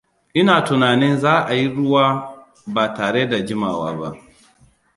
Ina tunanin za a yi ruwa ba tare da jimawa ba.